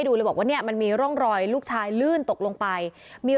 อายุ๖ขวบซึ่งตอนนั้นเนี่ยเป็นพี่ชายมารอเอาน้องชายไปอยู่ด้วยหรือเปล่าเพราะว่าสองคนนี้เขารักกันมาก